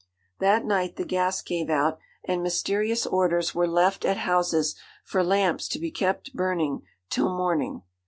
That night the gas gave out, and mysterious orders were left at houses for lamps to be kept burning till morning.